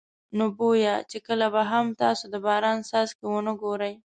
نو بویه چې کله به هم تاسې د باران څاڅکي ونه ګورئ.